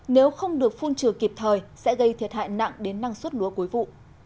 nếu không được phun trừ kịp thời sẽ gây thiệt hại nặng đến năng suất lúa cuối vụ